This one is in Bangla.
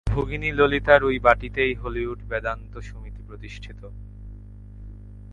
ভগিনী ললিতার ঐ বাটীতেই হলিউড বেদান্ত সমিতি প্রতিষ্ঠিত।